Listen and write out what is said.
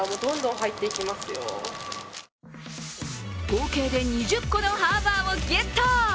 合計で２０個のハーバーをゲット！